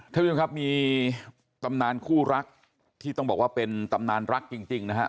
ท่านผู้ชมครับมีตำนานคู่รักที่ต้องบอกว่าเป็นตำนานรักจริงนะฮะ